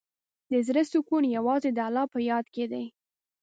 د زړۀ سکون یوازې د الله په یاد کې دی.